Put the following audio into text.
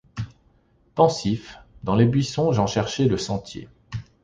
Pensif, dans les buissons j’en cherchais le sentier.